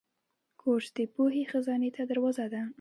کورس د پوهې خزانې ته دروازه ده.